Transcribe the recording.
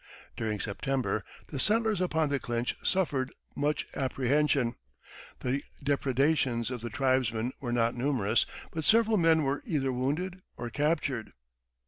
During September the settlers upon the Clinch suffered much apprehension; the depredations of the tribesmen were not numerous, but several men were either wounded or captured.